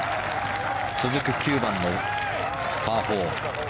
続く９番のパー４。